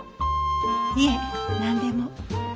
いえ何でも。